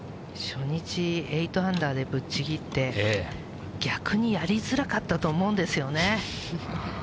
初日、８アンダーでぶっちぎって、逆にやりづらかったと思うんですよね。